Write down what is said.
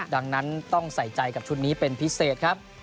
ดังนั้นต้องใส่ใจกับชุดนี้เป็นพิเศษครับ